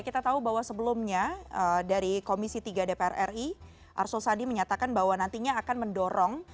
kita tahu bahwa sebelumnya dari komisi tiga dpr ri arso sandi menyatakan bahwa nantinya akan mendorong